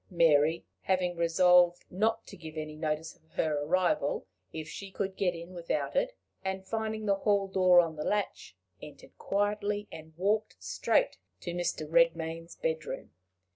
Mary, having resolved not to give any notice of her arrival, if she could get in without it, and finding the hall door on the latch, entered quietly, and walked straight to Mr. Redmain's bedroom.